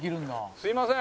すいません。